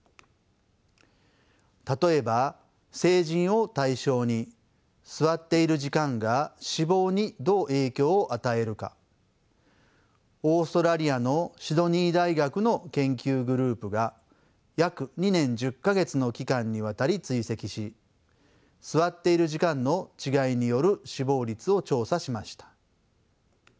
例えば成人を対象に座っている時間が死亡にどう影響を与えるかオーストラリアのシドニー大学の研究グループが約２年１０か月の期間にわたり追跡し座っている時間の違いによる死亡率を調査しました。